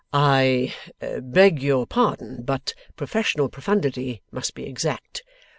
'I beg your pardon, but professional profundity must be exact.